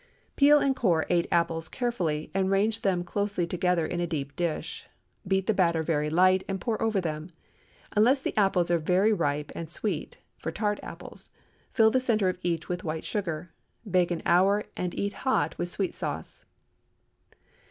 Peel and core eight apples carefully, and range them closely together in a deep dish. Beat the batter very light and pour over them. Unless the apples are very ripe and sweet (for tart apples), fill the centre of each with white sugar. Bake an hour, and eat hot with sweet sauce.